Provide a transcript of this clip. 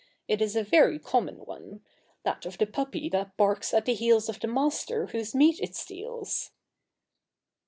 It is a very common one — that of the puppy that barks at the heels of the master whose meat it steals.'